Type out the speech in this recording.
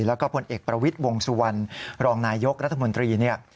แล้วก็ผลเอกประวิทย์วงสุวรรณรองนายยกรัฐมนตรีเนี่ย